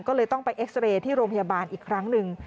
แต่ว่าพรุ่งอาการคืนนั้นตกใจอย่างไรล่ะเมื่อ